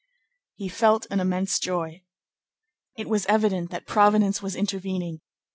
He felt an immense joy. It was evident that Providence was intervening.